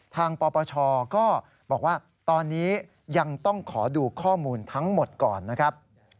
ปปชก็บอกว่าตอนนี้ยังต้องขอดูข้อมูลทั้งหมดก่อนนะครับ